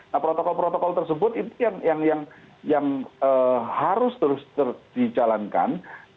nah protokol protokol tersebut itu yang harus terus dijalankan